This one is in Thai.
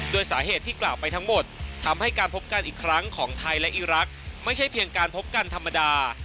โดยสาเหตุที่กล่าวไปทั้งหมดทำให้การพบกันอีกครั้งของไทยและอีรักษ์ไม่ใช่เพียงการพบกันธรรมดา